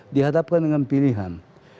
dihadapkan dengan pilihan